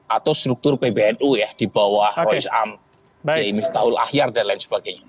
atau struktur pbnu ya di bawah roy sam ya miftahul ahyar dan lain sebagainya